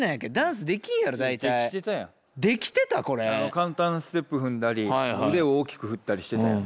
簡単ステップ踏んだり腕を大きく振ったりしてたやん。